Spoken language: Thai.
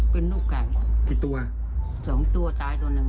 เป็นลูกไก่กี่ตัวสองตัวตายตัวหนึ่ง